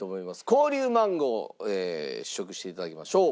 紅龍マンゴーを試食していただきましょう。